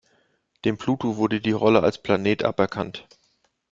Dem Pluto wurde die Rolle als Planet aberkannt.